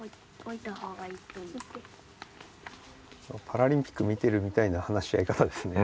パラリンピック見てるみたいな話し合い方ですね。